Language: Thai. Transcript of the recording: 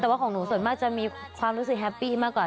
แต่ว่าของหนูส่วนมากจะมีความรู้สึกแฮปปี้มากกว่า